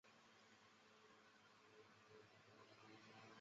曾经效力美国职棒大联盟日本职棒等多支球队。